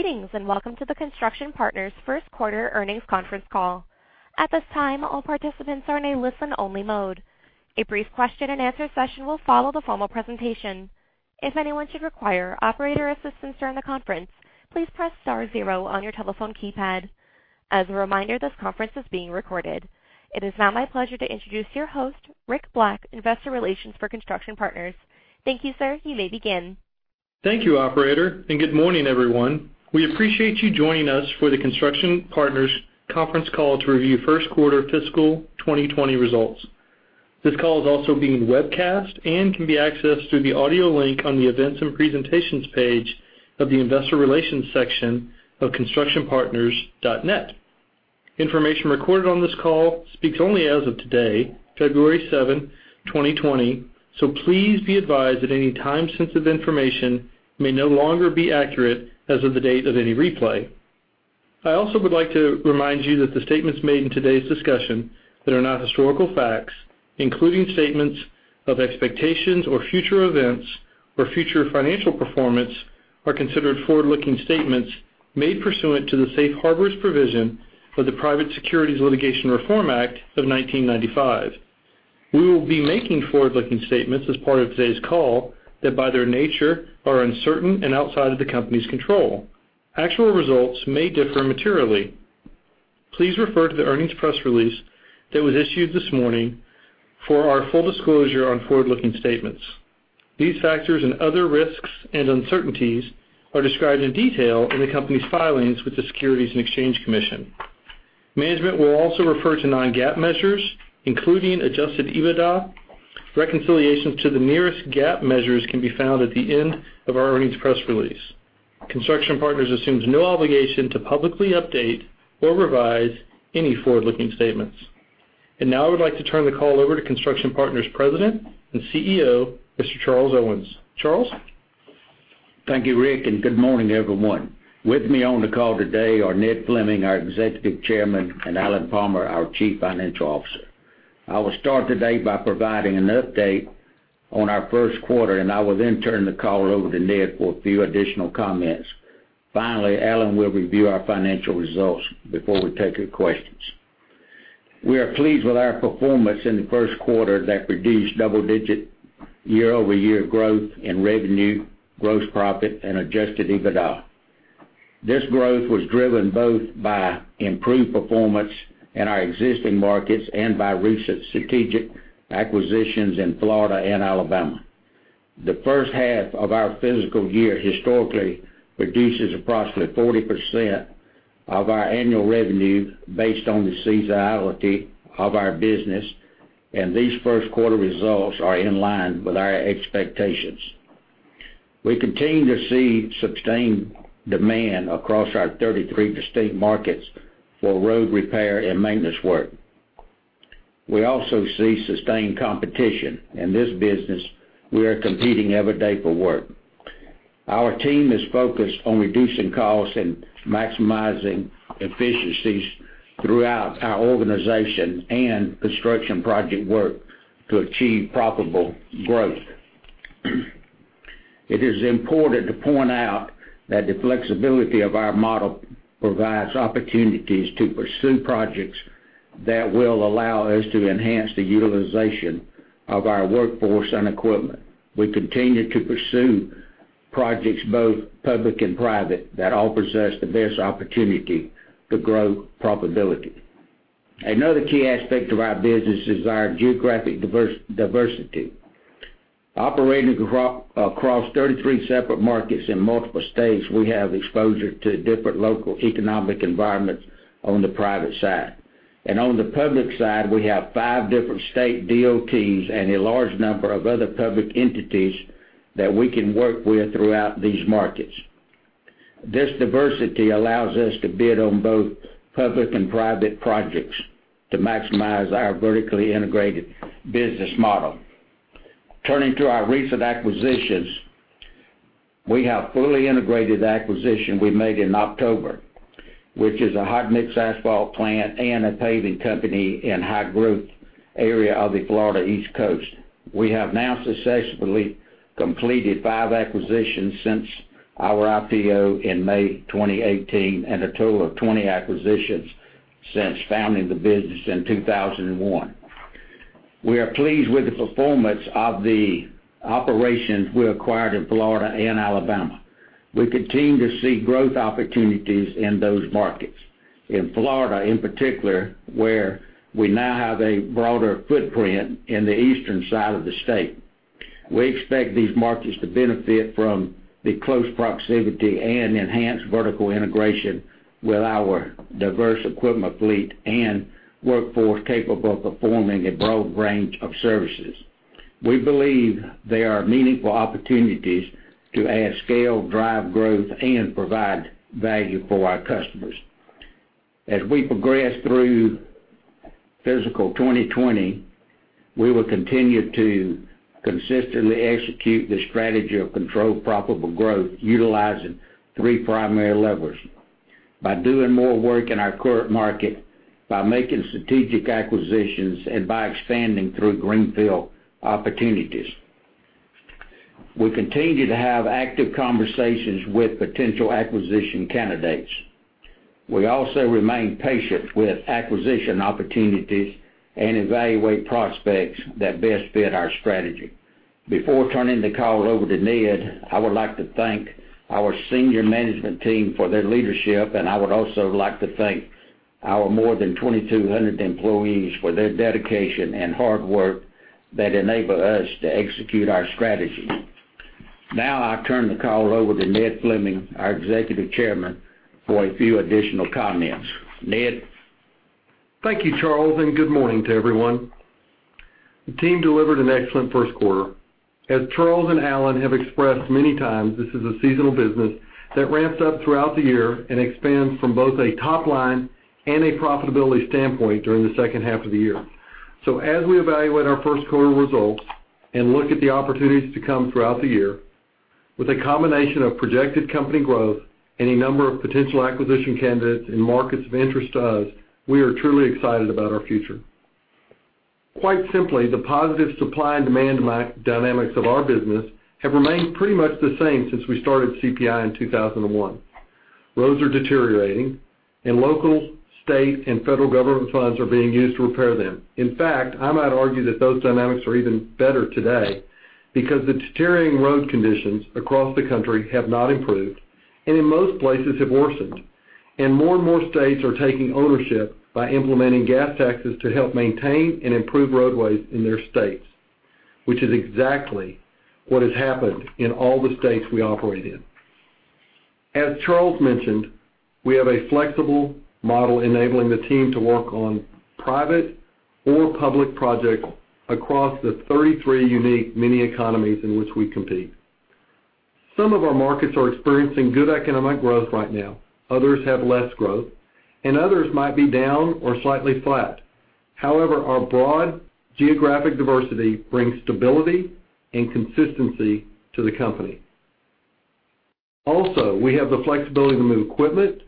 Greetings, and welcome to the Construction Partners first quarter earnings conference call. At this time, all participants are in a listen-only mode. A brief question-and-answer session will follow the formal presentation. If anyone should require operator assistance during the conference, please press star zero on your telephone keypad. As a reminder, this conference is being recorded. It is now my pleasure to introduce your host, Rick Black, Investor Relations for Construction Partners. Thank you, sir. You may begin. Thank you, operator. Good morning, everyone. We appreciate you joining us for the Construction Partners conference call to review first quarter fiscal 2020 results. This call is also being webcast and can be accessed through the audio link on the events and presentations page of the investor relations section of constructionpartners.net. Information recorded on this call speaks only as of today, February 7, 2020. Please be advised that any time-sensitive information may no longer be accurate as of the date of any replay. I also would like to remind you that the statements made in today's discussion that are not historical facts, including statements of expectations or future events or future financial performance, are considered forward-looking statements made pursuant to the safe harbors provision of the Private Securities Litigation Reform Act of 1995. We will be making forward-looking statements as part of today's call that, by their nature, are uncertain and outside of the company's control. Actual results may differ materially. Please refer to the earnings press release that was issued this morning for our full disclosure on forward-looking statements. These factors and other risks and uncertainties are described in detail in the company's filings with the Securities and Exchange Commission. Management will also refer to non-GAAP measures, including Adjusted EBITDA. Reconciliations to the nearest GAAP measures can be found at the end of our earnings press release. Construction Partners assumes no obligation to publicly update or revise any forward-looking statements. Now I would like to turn the call over to Construction Partners President and CEO, Mr. Charles Owens. Charles? Thank you, Rick, and good morning, everyone. With me on the call today are Ned Fleming, our Executive Chairman, and Alan Palmer, our Chief Financial Officer. I will start today by providing an update on our first quarter, and I will then turn the call over to Ned for a few additional comments. Finally, Alan will review our financial results before we take your questions. We are pleased with our performance in the first quarter that produced double-digit year-over-year growth in revenue, gross profit and Adjusted EBITDA. This growth was driven both by improved performance in our existing markets and by recent strategic acquisitions in Florida and Alabama. The first half of our fiscal year historically produces approximately 40% of our annual revenue based on the seasonality of our business, and these first quarter results are in line with our expectations. We continue to see sustained demand across our 33 distinct markets for road repair and maintenance work. We also see sustained competition. In this business, we are competing every day for work. Our team is focused on reducing costs and maximizing efficiencies throughout our organization and construction project work to achieve profitable growth. It is important to point out that the flexibility of our model provides opportunities to pursue projects that will allow us to enhance the utilization of our workforce and equipment. We continue to pursue projects, both public and private, that all possess the best opportunity to grow profitability. Another key aspect of our business is our geographic diversity. Operating across 33 separate markets in multiple states, we have exposure to different local economic environments on the private side. On the public side, we have five different state DOTs and a large number of other public entities that we can work with throughout these markets. This diversity allows us to bid on both public and private projects to maximize our vertically integrated business model. Turning to our recent acquisitions, we have fully integrated the acquisition we made in October, which is a hot mix asphalt plant and a paving company in a high growth area of the Florida East Coast. We have now successfully completed five acquisitions since our IPO in May 2018 and a total of 20 acquisitions since founding the business in 2001. We are pleased with the performance of the operations we acquired in Florida and Alabama. We continue to see growth opportunities in those markets. In Florida, in particular, where we now have a broader footprint in the eastern side of the state. We expect these markets to benefit from the close proximity and enhanced vertical integration with our diverse equipment fleet and workforce capable of performing a broad range of services. We believe they are meaningful opportunities to add scale, drive growth, and provide value for our customers. As we progress through fiscal 2020, we will continue to consistently execute the strategy of controlled profitable growth utilizing three primary levers. By doing more work in our current market, by making strategic acquisitions, and by expanding through greenfield opportunities. We continue to have active conversations with potential acquisition candidates. We also remain patient with acquisition opportunities and evaluate prospects that best fit our strategy. Before turning the call over to Ned, I would like to thank our senior management team for their leadership, and I would also like to thank our more than 2,200 employees for their dedication and hard work that enable us to execute our strategy. I turn the call over to Ned Fleming, our Executive Chairman, for a few additional comments. Ned? Thank you, Charles, and good morning to everyone. The team delivered an excellent first quarter. As Charles and Alan have expressed many times, this is a seasonal business that ramps up throughout the year and expands from both a top line and a profitability standpoint during the second half of the year. As we evaluate our first quarter results and look at the opportunities to come throughout the year, with a combination of projected company growth and a number of potential acquisition candidates in markets of interest to us, we are truly excited about our future. Quite simply, the positive supply and demand dynamics of our business have remained pretty much the same since we started CPI in 2001. Roads are deteriorating and local, state, and federal government funds are being used to repair them. In fact, I might argue that those dynamics are even better today because the deteriorating road conditions across the country have not improved, and in most places have worsened. More and more states are taking ownership by implementing gas taxes to help maintain and improve roadways in their states, which is exactly what has happened in all the states we operate in. As Charles mentioned, we have a flexible model enabling the team to work on private or public projects across the 33 unique mini-economies in which we compete. Some of our markets are experiencing good economic growth right now, others have less growth, and others might be down or slightly flat. However, our broad geographic diversity brings stability and consistency to the company. Also, we have the flexibility to move equipment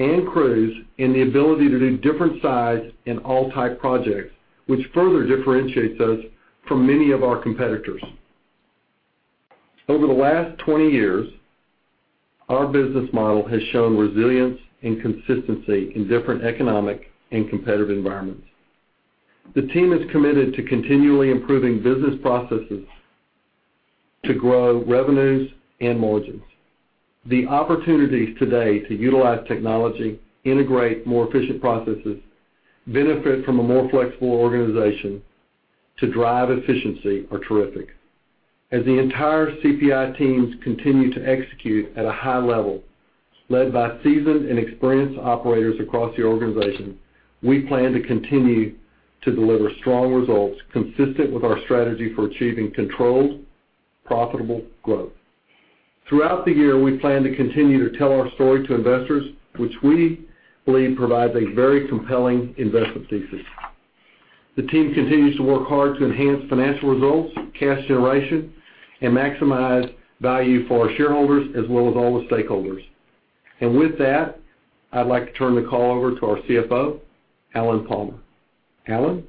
and crews and the ability to do different size and all type projects, which further differentiates us from many of our competitors. Over the last 20 years, our business model has shown resilience and consistency in different economic and competitive environments. The team is committed to continually improving business processes to grow revenues and margins. The opportunities today to utilize technology, integrate more efficient processes, benefit from a more flexible organization to drive efficiency are terrific. As the entire CPI teams continue to execute at a high level led by seasoned and experienced operators across the organization, we plan to continue to deliver strong results consistent with our strategy for achieving controlled, profitable growth. Throughout the year, we plan to continue to tell our story to investors, which we believe provides a very compelling investment thesis. The team continues to work hard to enhance financial results, cash generation, and maximize value for our shareholders as well as all the stakeholders. With that, I'd like to turn the call over to our CFO, Alan Palmer. Alan?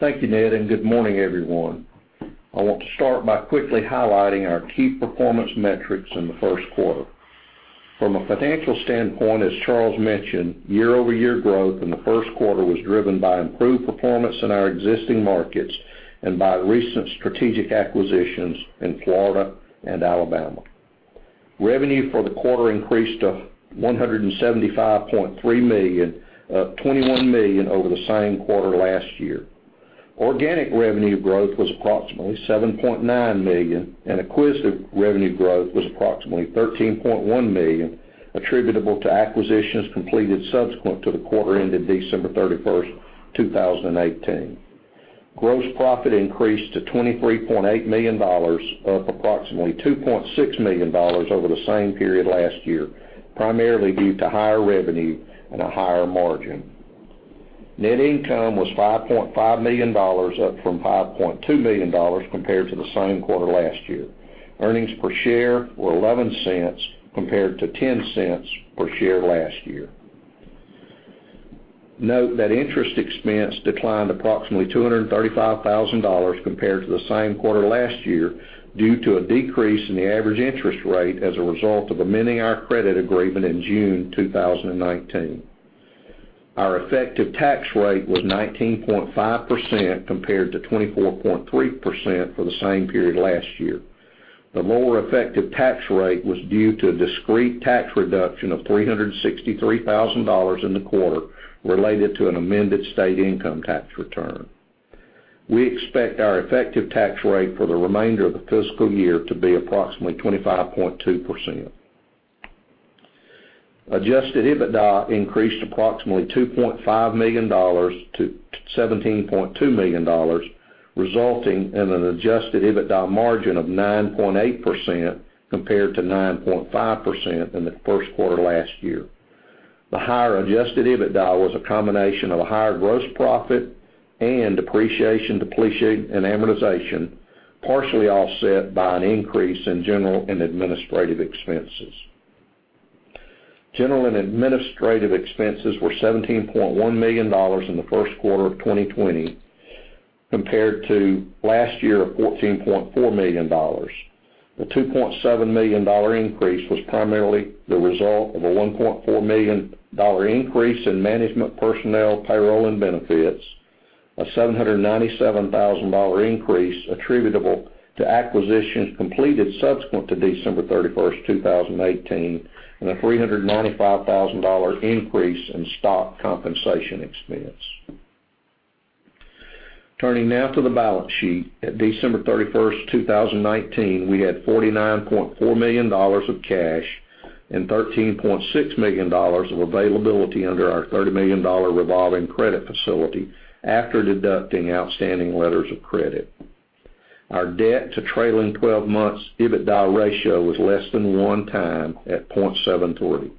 Thank you, Ned, and good morning, everyone. I want to start by quickly highlighting our key performance metrics in the first quarter. From a financial standpoint, as Charles mentioned, year-over-year growth in the first quarter was driven by improved performance in our existing markets and by recent strategic acquisitions in Florida and Alabama. Revenue for the quarter increased to $175.3 million, up $21 million over the same quarter last year. Organic revenue growth was approximately $7.9 million, and acquisitive revenue growth was approximately $13.1 million attributable to acquisitions completed subsequent to the quarter ended December 31st, 2018. Gross profit increased to $23.8 million, up approximately $2.6 million over the same period last year, primarily due to higher revenue and a higher margin. Net income was $5.5 million, up from $5.2 million compared to the same quarter last year. Earnings per share were $0.11 compared to $0.10 per share last year. Note that interest expense declined approximately $235,000 compared to the same quarter last year due to a decrease in the average interest rate as a result of amending our credit agreement in June 2019. Our effective tax rate was 19.5% compared to 24.3% for the same period last year. The lower effective tax rate was due to a discrete tax reduction of $363,000 in the quarter related to an amended state income tax return. We expect our effective tax rate for the remainder of the fiscal year to be approximately 25.2%. Adjusted EBITDA increased approximately $2.5 million to $17.2 million, resulting in an Adjusted EBITDA margin of 9.8% compared to 9.5% in the first quarter last year. The higher Adjusted EBITDA was a combination of a higher gross profit and depreciation, depletion, and amortization, partially offset by an increase in general and administrative expenses. General and administrative expenses were $17.1 million in the first quarter of 2020 compared to last year of $14.4 million. The $2.7 million increase was primarily the result of a $1.4 million increase in management personnel payroll and benefits, a $797,000 increase attributable to acquisitions completed subsequent to December 31st, 2018, and a $395,000 increase in stock compensation expense. Turning now to the balance sheet. At December 31st, 2019, we had $49.4 million of cash and $13.6 million of availability under our $30 million revolving credit facility after deducting outstanding letters of credit. Our debt to trailing 12 months EBITDA ratio was less than one time at 0.730.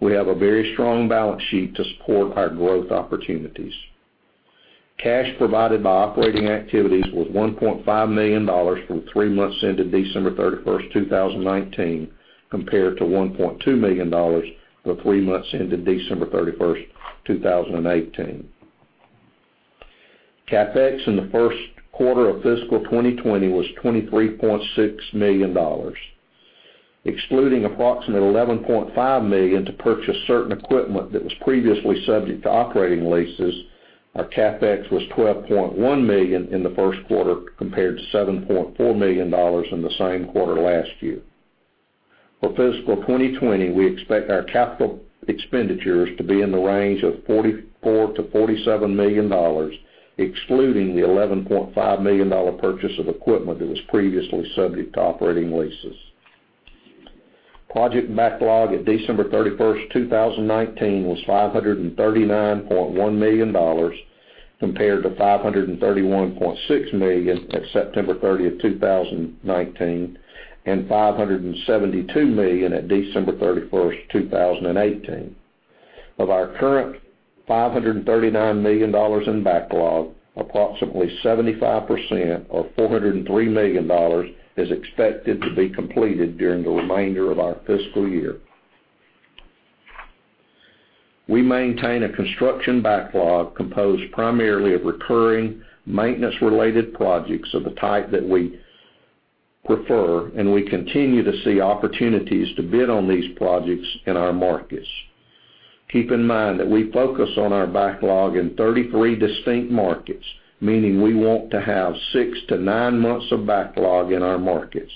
We have a very strong balance sheet to support our growth opportunities. Cash provided by operating activities was $1.5 million for the three months ended December 31st, 2019, compared to $1.2 million for the three months ended December 31st, 2018. CapEx in the first quarter of fiscal 2020 was $23.6 million. Excluding approximately $11.5 million to purchase certain equipment that was previously subject to operating leases, our CapEx was $12.1 million in the first quarter compared to $7.4 million in the same quarter last year. For fiscal 2020, we expect our capital expenditures to be in the range of $44 million-$47 million, excluding the $11.5 million purchase of equipment that was previously subject to operating leases. Project backlog at December 31st, 2019 was $539.1 million compared to $531.6 million at September 30th, 2019 and $572 million at December 31st, 2018. Of our current $539 million in backlog, approximately 75% or $403 million is expected to be completed during the remainder of our fiscal year. We maintain a construction backlog composed primarily of recurring maintenance related projects of the type that we prefer, and we continue to see opportunities to bid on these projects in our markets. Keep in mind that we focus on our backlog in 33 distinct markets, meaning we want to have 6-9 months of backlog in our markets.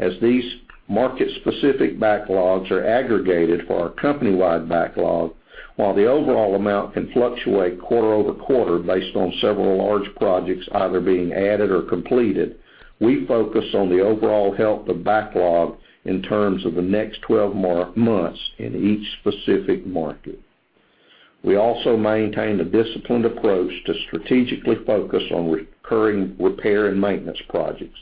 As these market specific backlogs are aggregated for our company-wide backlog, while the overall amount can fluctuate quarter-over-quarter based on several large projects either being added or completed, we focus on the overall health of backlog in terms of the next 12 months in each specific market. We also maintain a disciplined approach to strategically focus on recurring repair and maintenance projects.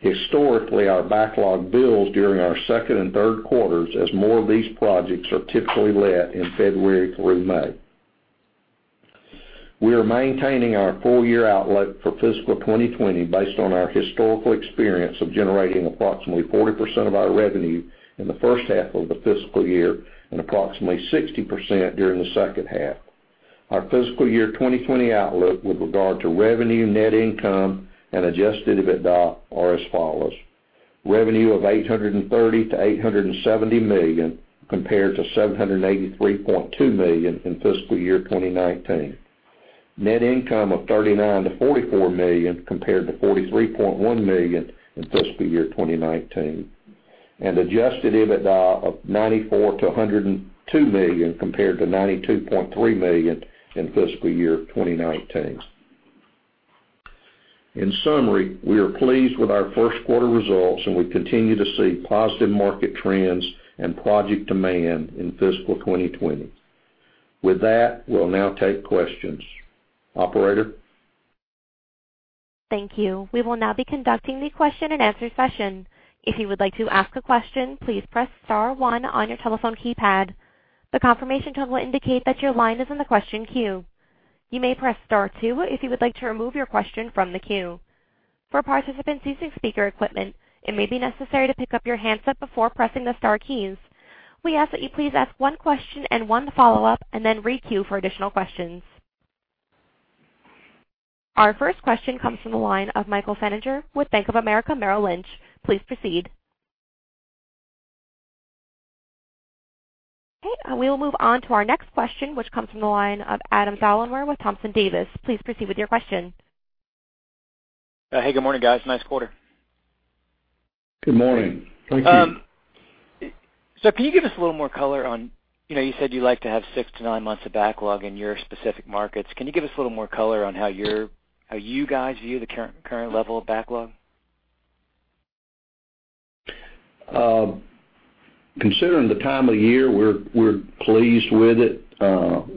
Historically, our backlog builds during our second and third quarters as more of these projects are typically let in February through May. We are maintaining our full year outlook for fiscal 2020 based on our historical experience of generating approximately 40% of our revenue in the first half of the fiscal year and approximately 60% during the second half. Our fiscal year 2020 outlook with regard to revenue, net income, and Adjusted EBITDA are as follows. Revenue of $830 million-$870 million compared to $783.2 million in fiscal year 2019. Net income of $39 million-$44 million compared to $43.1 million in fiscal year 2019. Adjusted EBITDA of $94 million-$102 million compared to $92.3 million in fiscal year 2019. In summary, we are pleased with our first quarter results, and we continue to see positive market trends and project demand in fiscal 2020. With that, we'll now take questions. Operator? Thank you. We will now be conducting the question-and-answer session. If you would like to ask a question, please press star one on your telephone keypad. The confirmation tone will indicate that your line is in the question queue. You may press star two if you would like to remove your question from the queue. For participants using speaker equipment, it may be necessary to pick up your handset before pressing the star keys. We ask that you please ask one question and one follow-up, and then re-queue for additional questions. Our first question comes from the line of Michael Feniger with Bank of America Merrill Lynch. Please proceed. We will move on to our next question, which comes from the line of Adam Thalhimer with Thompson Davis. Please proceed with your question. Hey, good morning, guys. Nice quarter. Good morning. Thank you. Can you give us a little more color on, you said you like to have six to nine months of backlog in your specific markets. Can you give us a little more color on how you guys view the current level of backlog? Considering the time of year, we're pleased with it.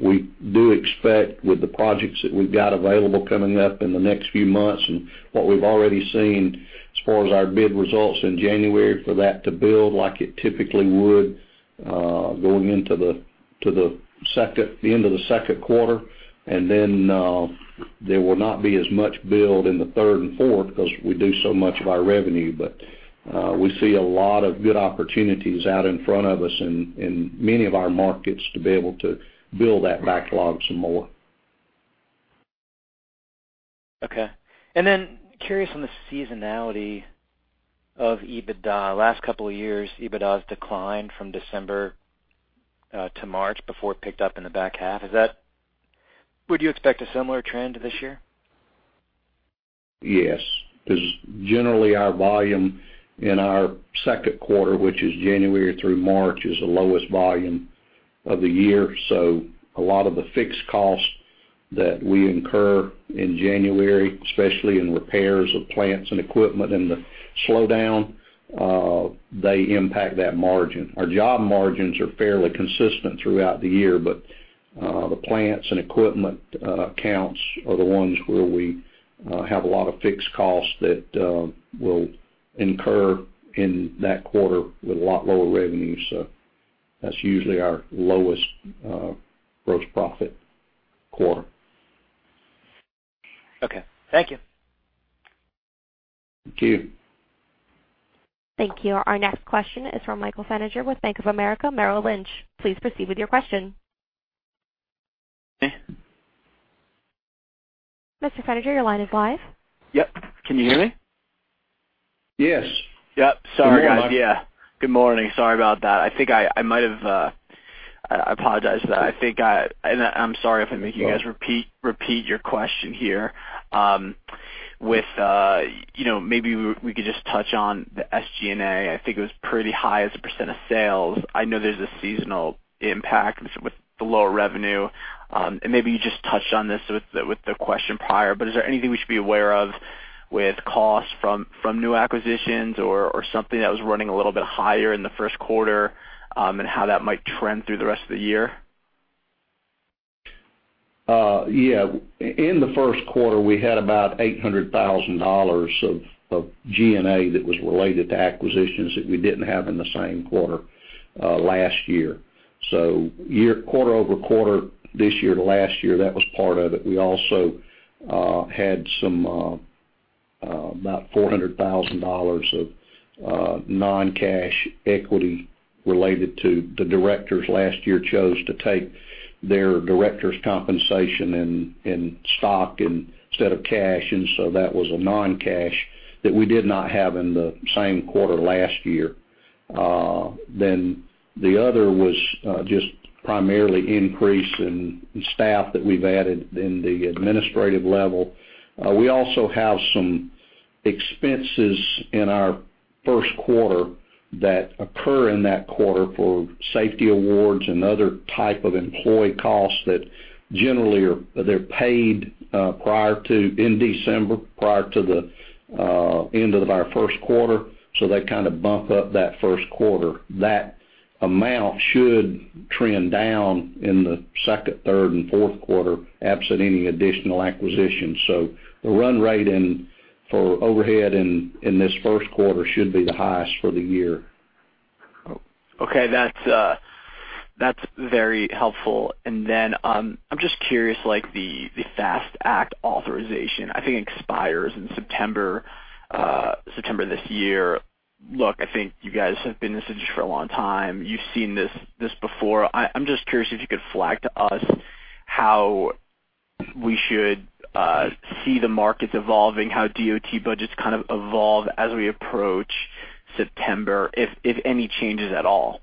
We do expect with the projects that we've got available coming up in the next few months and what we've already seen as far as our bid results in January for that to build like it typically would going into the end of the second quarter, and then there will not be as much build in the third and fourth because we do so much of our revenue. We see a lot of good opportunities out in front of us in many of our markets to be able to build that backlog some more. Okay. Curious on the seasonality of EBITDA. Last couple of years, EBITDA has declined from December to March before it picked up in the back half. Would you expect a similar trend this year? Yes. Generally, our volume in our second quarter, which is January through March, is the lowest volume of the year. A lot of the fixed costs that we incur in January, especially in repairs of plants and equipment in the slowdown, they impact that margin. Our job margins are fairly consistent throughout the year, the plants and equipment counts are the ones where we have a lot of fixed costs that will incur in that quarter with a lot lower revenue. That's usually our lowest gross profit quarter. Okay. Thank you. Thank you. Thank you. Our next question is from Michael Feniger with Bank of America Merrill Lynch. Please proceed with your question. Mr. Feniger, your line is live. Yep. Can you hear me? Yes. Yep. Sorry, guys. Good morning. Yeah. Good morning. Sorry about that. I apologize for that. I'm sorry if I'm making you guys repeat your question here. Maybe we could just touch on the SG&A. I think it was pretty high as a percentage of sales. I know there's a seasonal impact with the lower revenue. Maybe you just touched on this with the question prior, but is there anything we should be aware of with costs from new acquisitions or something that was running a little bit higher in the first quarter, and how that might trend through the rest of the year? In the first quarter, we had about $800,000 of G&A that was related to acquisitions that we didn't have in the same quarter last year. Quarter-over-quarter this year to last year, that was part of it. We also had about $400,000 of non-cash equity related to the directors last year chose to take their directors' compensation in stock instead of cash, and so that was a non-cash that we did not have in the same quarter last year. The other was just primarily increase in staff that we've added in the administrative level. We also have some expenses in our first quarter that occur in that quarter for safety awards and other type of employee costs that generally they're paid in December, prior to the end of our first quarter. They kind of bump up that first quarter. That amount should trend down in the second, third, and fourth quarter, absent any additional acquisitions. The run rate for overhead in this first quarter should be the highest for the year. Okay. That's very helpful. Then, I'm just curious, like, the FAST Act authorization, I think, expires in September this year. Look, I think you guys have been in this industry for a long time. You've seen this before. I'm just curious if you could flag to us how we should see the markets evolving, how DOT budgets kind of evolve as we approach September, if any changes at all?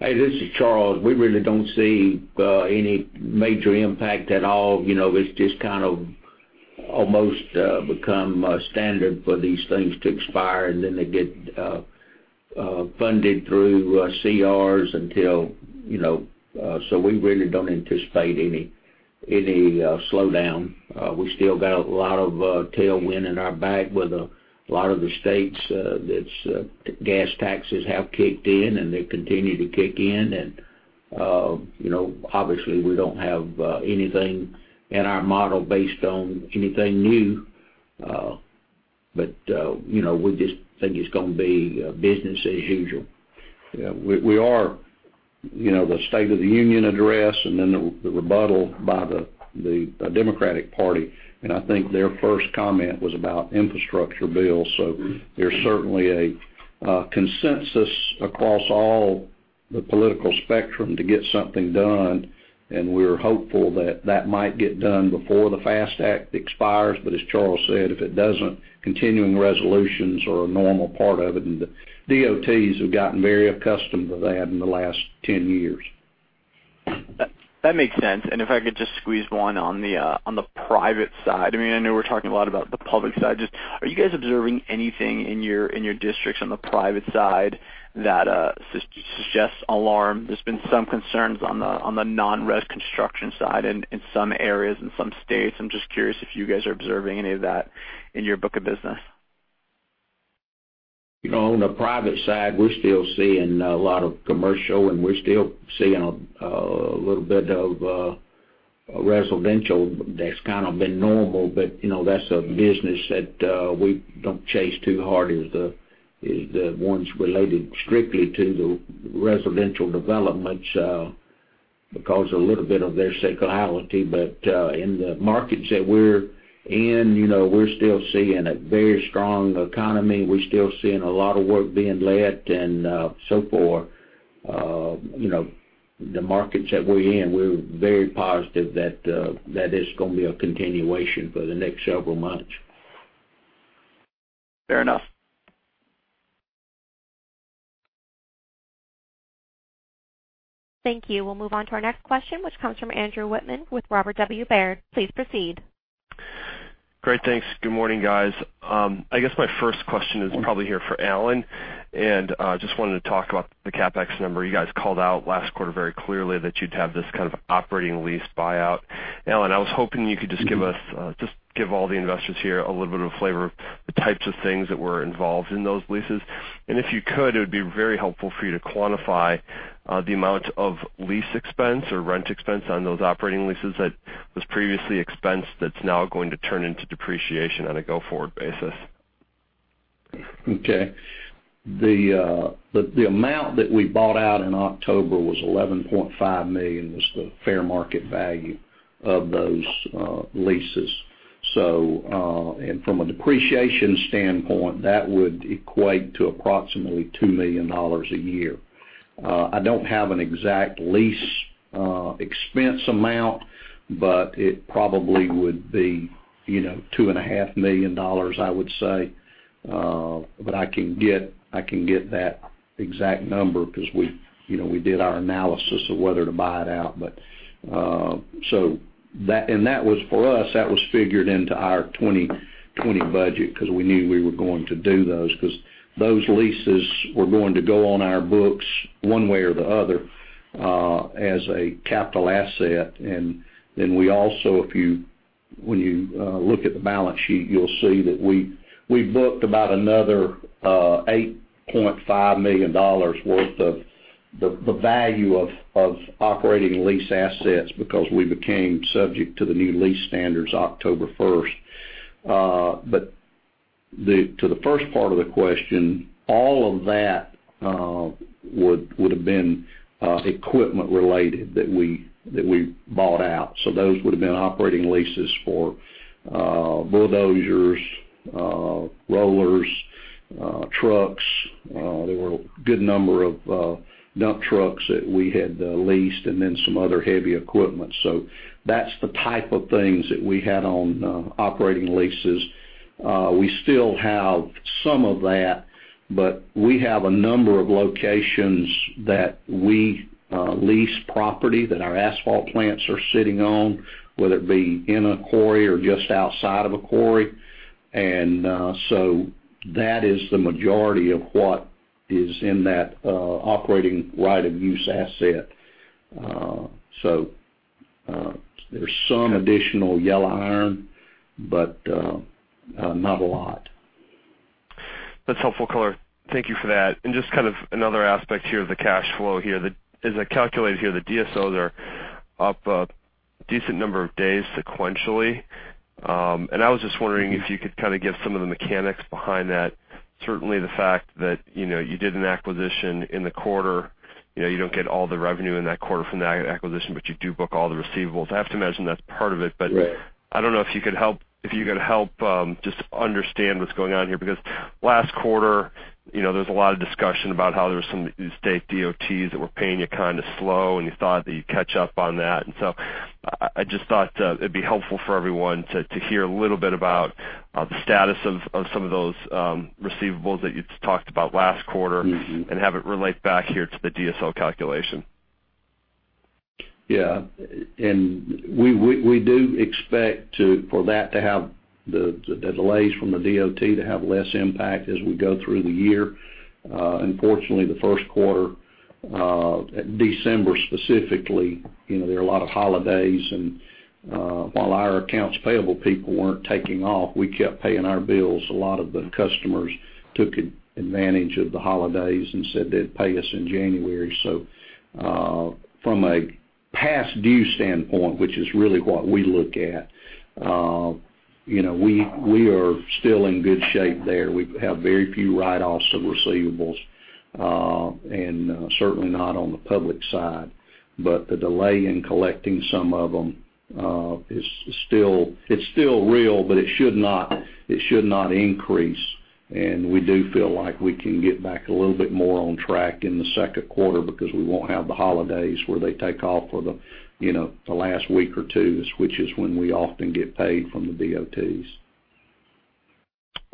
Hey, this is Charles. We really don't see any major impact at all. It's just kind of almost become standard for these things to expire, and then they get funded through CRs. We really don't anticipate any slowdown. We still got a lot of tailwind in our back with a lot of the states that gas taxes have kicked in, and they continue to kick in. Obviously, we don't have anything in our model based on anything new. We just think it's going to be business as usual. Yeah, the State of the Union address and then the rebuttal by the Democratic Party, and I think their first comment was about infrastructure bills. There's certainly a consensus across all the political spectrum to get something done, and we're hopeful that that might get done before the FAST Act expires. As Charles said, if it doesn't, continuing resolutions are a normal part of it, and the DOTs have gotten very accustomed to that in the last 10 years. That makes sense. If I could just squeeze one on the private side. I know we're talking a lot about the public side. Are you guys observing anything in your districts on the private side that suggests alarm? There's been some concerns on the non-res construction side in some areas and some states. I'm just curious if you guys are observing any of that in your book of business. On the private side, we're still seeing a lot of commercial, we're still seeing a little bit of residential, that's kind of been normal, that's a business that we don't chase too hard is the ones related strictly to the residential developments, because a little bit of their seasonality. In the markets that we're in, we're still seeing a very strong economy. We're still seeing a lot of work being let and so forth. The markets that we're in, we're very positive that it's going to be a continuation for the next several months. Fair enough. Thank you. We'll move on to our next question, which comes from Andy Wittmann with Robert W. Baird. Please proceed. Great. Thanks. Good morning, guys. I guess my first question is probably here for Alan, and just wanted to talk about the CapEx number. You guys called out last quarter very clearly that you'd have this kind of operating lease buyout. Alan, I was hoping you could just give all the investors here a little bit of a flavor of the types of things that were involved in those leases. If you could, it would be very helpful for you to quantify the amount of lease expense or rent expense on those operating leases that was previously expensed that's now going to turn into depreciation on a go-forward basis. Okay. The amount that we bought out in October was $11.5 million was the fair market value of those leases. From a depreciation standpoint, that would equate to approximately $2 million a year. I don't have an exact lease expense amount, but it probably would be $2.5 million I would say. I can get that exact number because we did our analysis of whether to buy it out. That was, for us, that was figured into our 2020 budget because we knew we were going to do those because those leases were going to go on our books one way or the other, as a capital asset. We also, when you look at the balance sheet, you'll see that we booked about another $8.5 million worth of the value of operating lease assets because we became subject to the new lease standards October 1st. To the first part of the question, all of that would have been equipment related that we bought out. Those would've been operating leases for bulldozers, rollers, trucks. There were a good number of dump trucks that we had leased, some other heavy equipment. That's the type of things that we had on operating leases. We still have some of that, we have a number of locations that we lease property that our asphalt plants are sitting on, whether it be in a quarry or just outside of a quarry. That is the majority of what is in that operating right-of-use asset. There's some additional yellow iron, not a lot. That's helpful. Thank you for that. Just another aspect here of the cash flow here. As I calculated here, the DSO there up a decent number of days sequentially. I was just wondering if you could kind of give some of the mechanics behind that. Certainly the fact that you did an acquisition in the quarter, you don't get all the revenue in that quarter from that acquisition, but you do book all the receivables. I have to imagine that's part of it. Right I don't know if you could help just understand what's going on here, because last quarter, there was a lot of discussion about how there were some state DOTs that were paying you kind of slow, and you thought that you'd catch up on that. I just thought it'd be helpful for everyone to hear a little bit about the status of some of those receivables that you talked about last quarter and have it relate back here to the DSO calculation. Yeah. We do expect for the delays from the DOT to have less impact as we go through the year. Unfortunately, the first quarter, December specifically, there are a lot of holidays and while our accounts payable people weren't taking off, we kept paying our bills. A lot of the customers took advantage of the holidays and said they'd pay us in January. From a past due standpoint, which is really what we look at, we are still in good shape there. We have very few write-offs of receivables, and certainly not on the public side. The delay in collecting some of them, it's still real, but it should not increase. We do feel like we can get back a little bit more on track in the second quarter because we won't have the holidays where they take off for the last week or two, which is when we often get paid from the DOTs.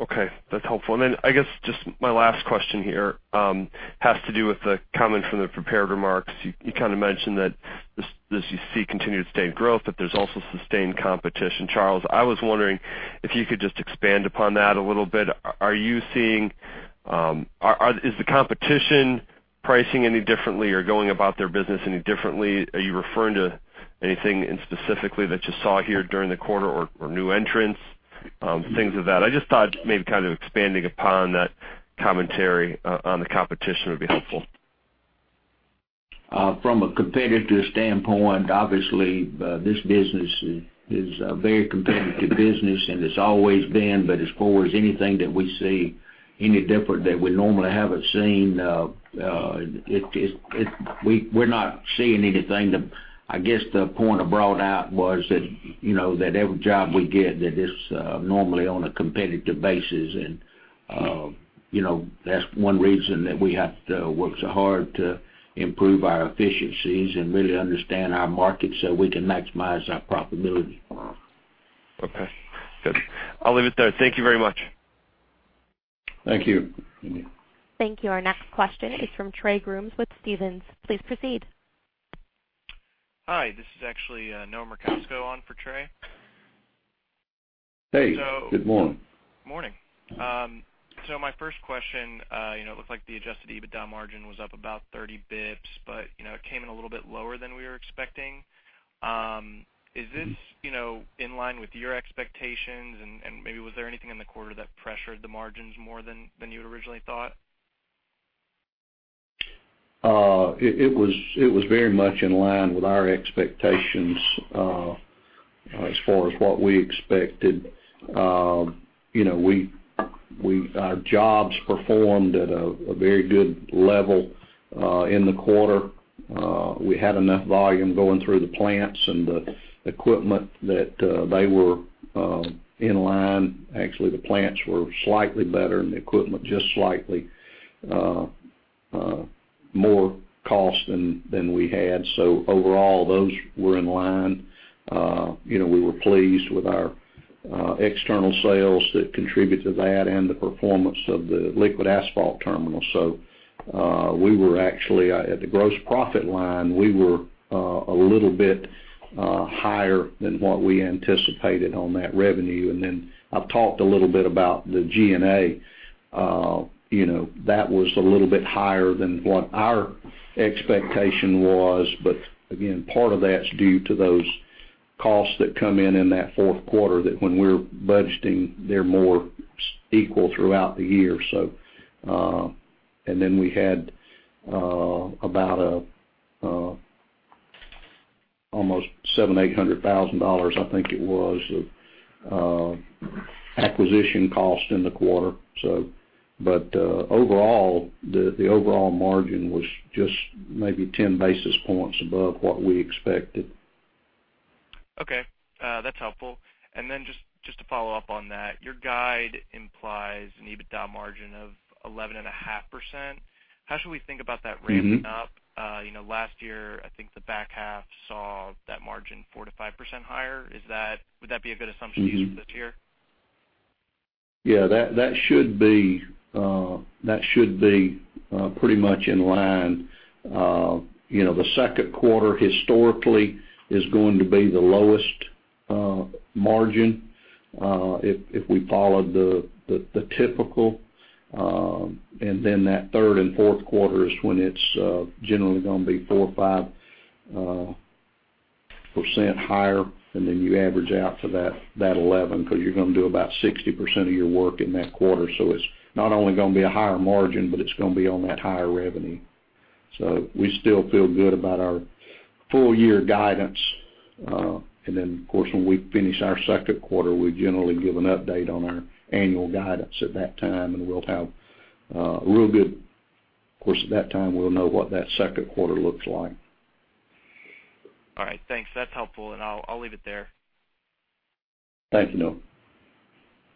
Okay. That's helpful. Then I guess just my last question here has to do with the comment from the prepared remarks. You kind of mentioned that as you see continued state growth, but there's also sustained competition. Charles, I was wondering if you could just expand upon that a little bit. Is the competition pricing any differently or going about their business any differently? Are you referring to anything specifically that you saw here during the quarter or new entrants, things of that? I just thought maybe kind of expanding upon that commentary on the competition would be helpful. From a competitive standpoint, obviously, this business is a very competitive business, and it's always been. As far as anything that we see any different that we normally haven't seen, we're not seeing anything. I guess the point I brought out was that every job we get that is normally on a competitive basis, and that's one reason that we have to work so hard to improve our efficiencies and really understand our markets so we can maximize our profitability. Okay. Good. I'll leave it there. Thank you very much. Thank you. Thank you. Our next question is from Trey Grooms with Stephens. Please proceed. Hi, this is actually Noah Merkousko on for Trey. Hey. Good morning. Morning. My first question, it looked like the Adjusted EBITDA margin was up about 30 basis points, but it came in a little bit lower than we were expecting. Is this in line with your expectations, and maybe was there anything in the quarter that pressured the margins more than you had originally thought? It was very much in line with our expectations as far as what we expected. Our jobs performed at a very good level in the quarter. We had enough volume going through the plants and the equipment that they were in line. Actually, the plants were slightly better, and the equipment just slightly more cost than we had. Overall, those were in line. We were pleased with our external sales that contribute to that and the performance of the liquid asphalt terminal. We were actually at the gross profit line. We were a little bit higher than what we anticipated on that revenue. I've talked a little bit about the G&A. That was a little bit higher than what our expectation was. Again, part of that's due to those costs that come in in that fourth quarter that when we're budgeting, they're more equal throughout the year. Then we had about almost $700,000, $800,000, I think it was, of acquisition cost in the quarter. The overall margin was just maybe 10 basis points above what we expected. Okay. That's helpful. Just to follow up on that, your guide implies an EBITDA margin of 11.5%. How should we think about that ramping up? Last year, I think the back half saw that margin 4%-5% higher. Would that be a good assumption to use for this year? Yeah, that should be pretty much in line. The second quarter historically is going to be the lowest margin if we followed the typical, and then that third and fourth quarter is when it's generally going to be 4% or 5% higher, and then you average out to that 11% because you're going to do about 60% of your work in that quarter. It's not only going to be a higher margin, but it's going to be on that higher revenue. We still feel good about our full-year guidance. Of course, when we finish our second quarter, we generally give an update on our annual guidance at that time, of course, at that time, we'll know what that second quarter looks like. All right. Thanks. That's helpful, and I'll leave it there. Thank you, Noah.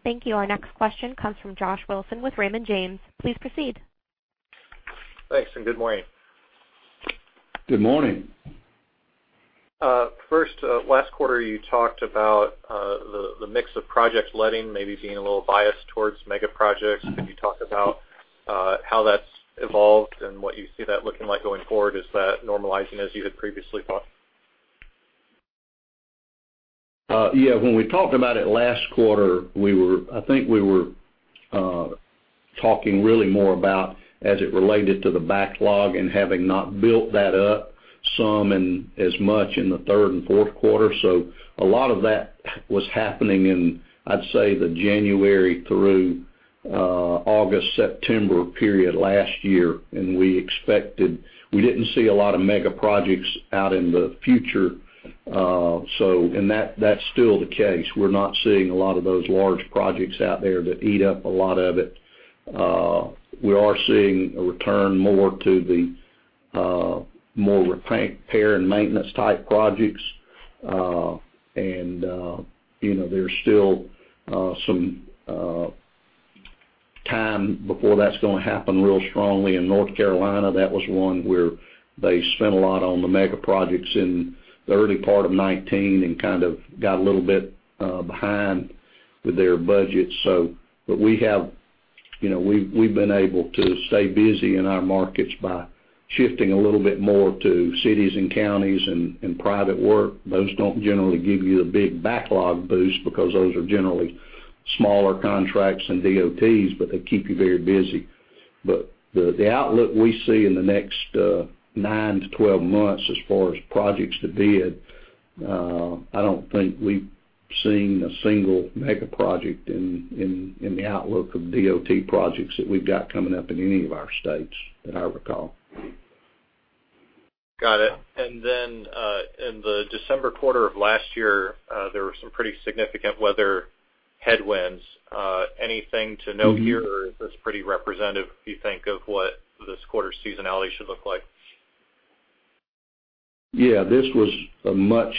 Thank you. Our next question comes from Josh Wilson with Raymond James. Please proceed. Thanks, and good morning. Good morning. First, last quarter you talked about the mix of project letting maybe being a little biased towards mega projects. Can you talk about how that's evolved and what you see that looking like going forward? Is that normalizing as you had previously thought? Yeah. When we talked about it last quarter, I think we were talking really more about as it related to the backlog and having not built that up some and as much in the third and fourth quarter. A lot of that was happening in, I'd say, the January through August, September period last year, we didn't see a lot of mega projects out in the future. That's still the case. We're not seeing a lot of those large projects out there that eat up a lot of it. We are seeing a return more to the more repair and maintenance type projects. There's still some time before that's going to happen real strongly in North Carolina. That was one where they spent a lot on the mega projects in the early part of 2019 and kind of got a little bit behind with their budget. We've been able to stay busy in our markets by shifting a little bit more to cities and counties and private work. Those don't generally give you a big backlog boost because those are generally smaller contracts than DOTs, but they keep you very busy. The outlook we see in the next 9-12 months as far as projects to bid, I don't think we're seeing a single mega project in the outlook of DOT projects that we've got coming up in any of our states that I recall. Got it. Then in the December quarter of last year, there were some pretty significant weather headwinds. Anything to note here? Is this pretty representative, you think, of what this quarter's seasonality should look like? Yeah. This was a much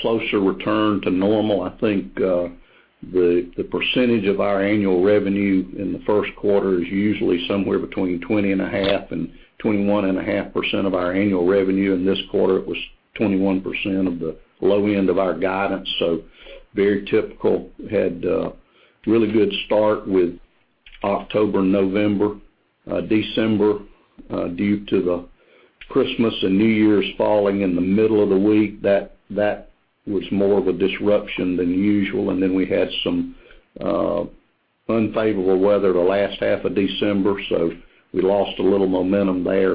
closer return to normal. I think the percentage of our annual revenue in the first quarter is usually somewhere between 20.5% and 21.5% of our annual revenue. In this quarter, it was 21% of the low end of our guidance. Very typical. Had a really good start with October, November. December, due to the Christmas and New Year's falling in the middle of the week, that was more of a disruption than usual. We had some unfavorable weather the last half of December, so we lost a little momentum there.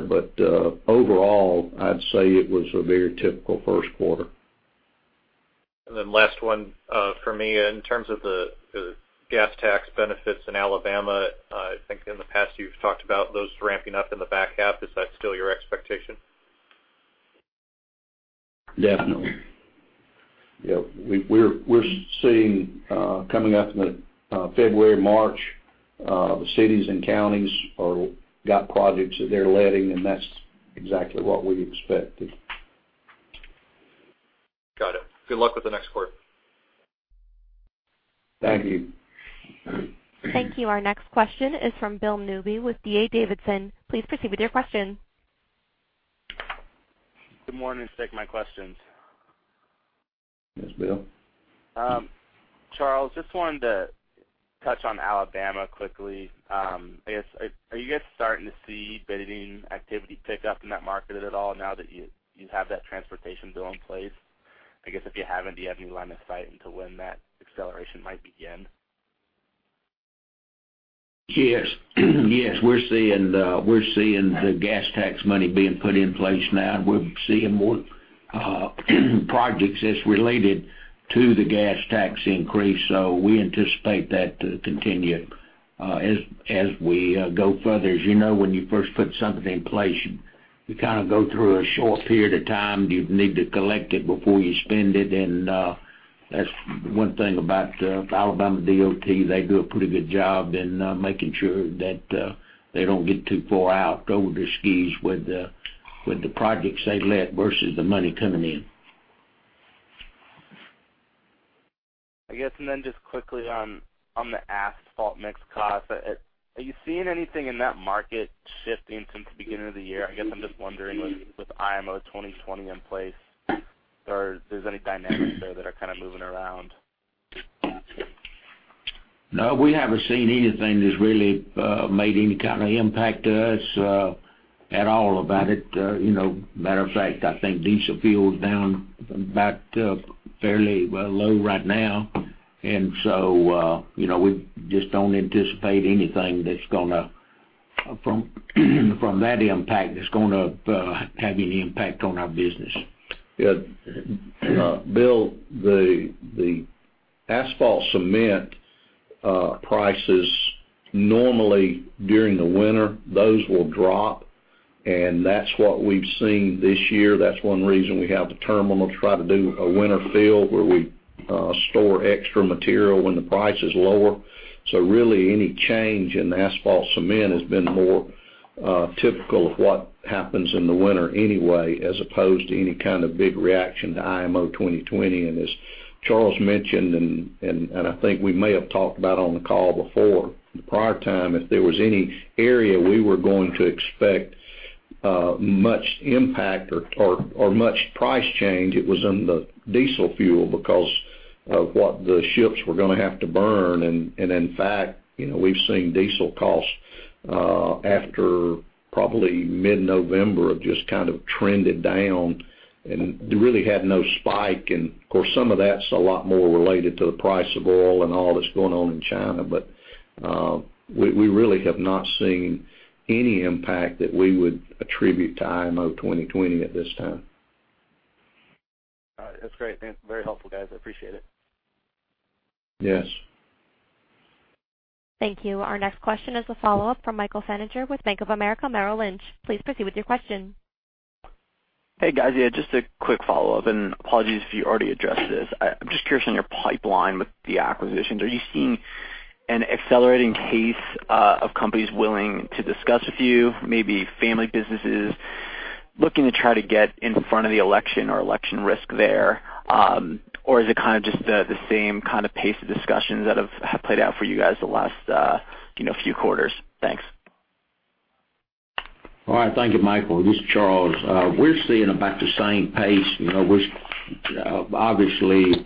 Overall, I'd say it was a very typical first quarter. Last one from me, in terms of the gas tax benefits in Alabama, I think in the past you've talked about those ramping up in the back half. Is that still your expectation? Definitely. We're seeing coming up in February, March, the cities and counties got projects that they're letting, and that's exactly what we expected. Got it. Good luck with the next quarter. Thank you. Thank you. Our next question is from Bill Newby with D.A. Davidson. Please proceed with your question. Good morning. Stick to my questions. Yes, Bill. Charles, just wanted to touch on Alabama quickly. I guess, are you guys starting to see bidding activity pick up in that market at all now that you have that transportation bill in place? I guess if you haven't, do you have any line of sight into when that acceleration might begin? Yes. We're seeing the gas tax money being put in place now. We're seeing more projects as related to the gas tax increase. We anticipate that to continue as we go further. As you know, when you first put something in place, you kind of go through a short period of time. You need to collect it before you spend it. That's one thing about the Alabama DOT. They do a pretty good job in making sure that they don't get too far out over their skis with the projects they let versus the money coming in. I guess, just quickly on the asphalt mix cost, are you seeing anything in that market shifting since the beginning of the year? I guess I'm just wondering with IMO 2020 in place or if there's any dynamics there that are kind of moving around. We haven't seen anything that's really made any kind of impact to us at all about it. Matter of fact, I think diesel fuel is down fairly low right now. We just don't anticipate anything from that impact that's going to have any impact on our business. Bill, the asphalt cement prices normally during the winter, those will drop. That's what we've seen this year. That's one reason we have the terminal to try to do a winter fill where we store extra material when the price is lower. Really any change in asphalt cement has been more typical of what happens in the winter anyway, as opposed to any kind of big reaction to IMO 2020. As Charles mentioned, and I think we may have talked about on the call before, the prior time, if there was any area we were going to expect much impact or much price change, it was in the diesel fuel because of what the ships were going to have to burn. In fact, we've seen diesel costs after probably mid-November have just kind of trended down and really had no spike. Of course, some of that's a lot more related to the price of oil and all that's going on in China. We really have not seen any impact that we would attribute to IMO 2020 at this time. All right. That's great. Very helpful, guys. I appreciate it. Yes. Thank you. Our next question is a follow-up from Michael Feniger with Bank of America Merrill Lynch. Please proceed with your question. Hey, guys. Yeah, just a quick follow-up and apologies if you already addressed this. I'm just curious on your pipeline with the acquisitions. Are you seeing an accelerating pace of companies willing to discuss with you, maybe family businesses looking to try to get in front of the election or election risk there? Is it kind of just the same kind of pace of discussions that have played out for you guys the last few quarters? Thanks. All right. Thank you, Michael. This is Charles. We're seeing about the same pace. Obviously,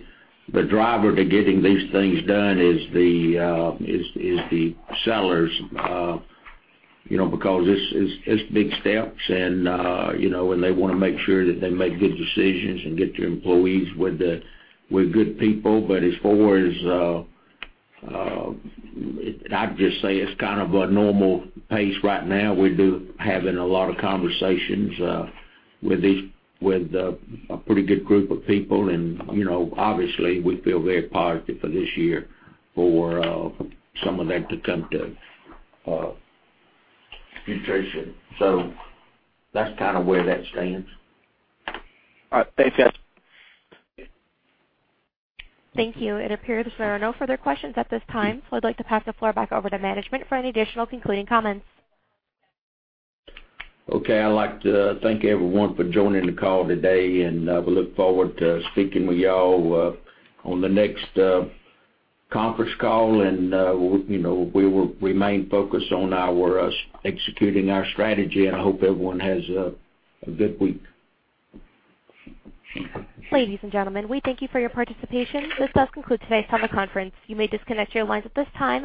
the driver to getting these things done is the sellers because it's big steps, and they want to make sure that they make good decisions and get their employees with good people. As far as I'd just say it's kind of a normal pace right now. We're having a lot of conversations with a pretty good group of people, and obviously we feel very positive for this year for some of them to come to fruition. That's kind of where that stands. All right. Thanks, guys. Thank you. It appears there are no further questions at this time. I'd like to pass the floor back over to management for any additional concluding comments. Okay. I'd like to thank everyone for joining the call today. We look forward to speaking with you all on the next conference call. We will remain focused on executing our strategy. I hope everyone has a good week. Ladies and gentlemen, we thank you for your participation. This does conclude today's conference call. You may disconnect your lines at this time.